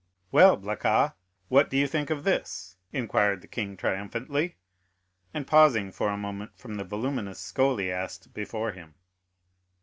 "Well, Blacas, what think you of this?" inquired the king triumphantly, and pausing for a moment from the voluminous scholiast before him.